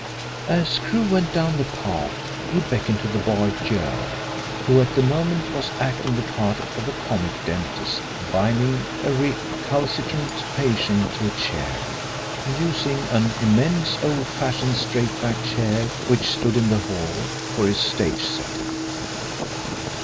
As Crewe went down the path he beckoned to the boy Joe, who at the moment was acting the part of a comic dentist binding a recalcitrant patient to a chair, using an immense old fashioned straight backed chair which stood in the hall, for his stage setting.